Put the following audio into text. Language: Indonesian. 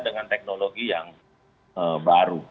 dengan teknologi yang baru